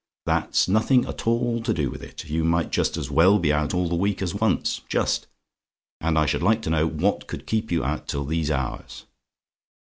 "That's nothing at all to do with it. You might just as well be out all the week as once just! And I should like to know what could keep you out till these hours?